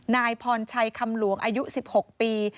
นายพรชัยคำหลวงอายุ๑๖ปี